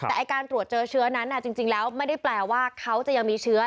แต่การตรวจเจอเชื้อนั้นจริงแล้วไม่ได้แปลว่าเขาจะยังมีเชื้อ